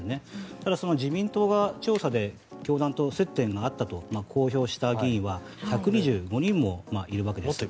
ただ、自民党が調査で教団と接点があったと公表した議員は１２５人もいるわけです。